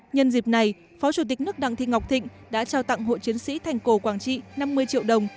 nhân dịp này phó chủ tịch nước đặng thị ngọc thịnh đã trao tặng hộ chiến sĩ thành cổ quảng trị năm mươi triệu đồng